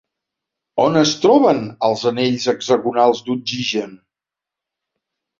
On es troben els anells hexagonals d'oxigen?